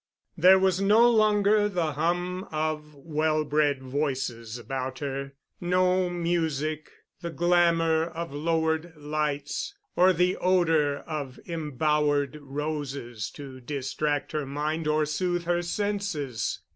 There was no longer the hum of well bred voices about her, no music, the glamor of lowered lights, or the odor of embowered roses to distract her mind or soothe her senses.